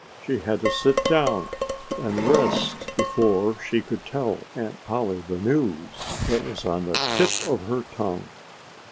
She had to sit down and rest before she could tell Aunt Polly the news that was on the tip of her tongue.